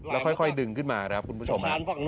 แล้วค่อยดึงขึ้นมาครับคุณผู้ชม